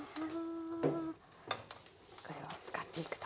これを使っていくと。